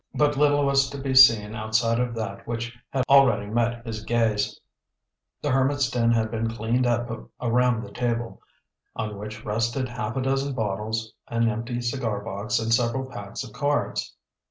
But little was to be seen outside of that which had already met his gaze. The hermit's den had been cleaned up around the table, on which rested half a dozen bottles, an empty cigar box, and several packs of cards.